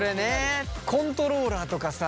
コントローラーとかさ